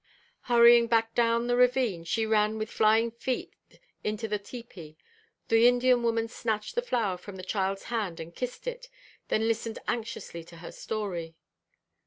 Hurrying back down the ravine, she ran with flying feet into the tepee. The Indian woman snatched the flower from the child's hand and kissed it, then listened anxiously to her story.